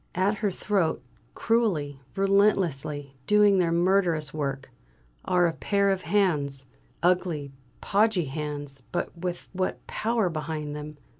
At her throat, cruelly, relentlessly doing their murderous work, are a pair of hands ugly, podgy hands, but with what power behind them!